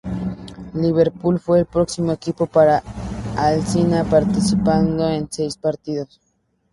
Liverpool fue el próximo equipo para Alsina, participando en seis partidos.